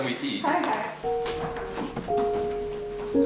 はいはい。